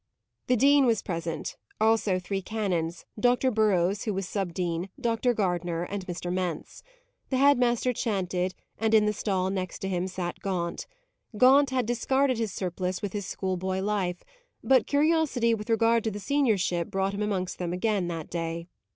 The dean was present: also three canons Dr. Burrows, who was subdean, Dr. Gardner, and Mr. Mence. The head master chanted, and in the stall next to him sat Gaunt. Gaunt had discarded his surplice with his schoolboy life; but curiosity with regard to the seniorship brought him amongst them again that day.